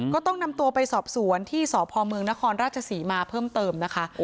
ก็ต้องนำตัวไปสอบสวนที่สพเมืองนครราชศรีมาเพิ่มเติมนะคะ